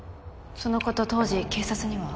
そのこと当時警察には？